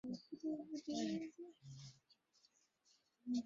আমাদের বোকা বানিয়েছে!